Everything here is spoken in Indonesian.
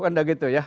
anda gitu ya